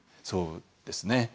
そうですね。